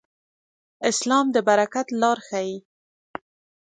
اسلام د برکت لار ښيي.